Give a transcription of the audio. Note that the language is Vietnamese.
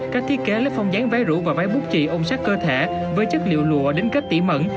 các thiết kế lấy phong dáng váy rũ và váy bút trị ôm sát cơ thể với chất liệu lùa đính kết tỉ mẩn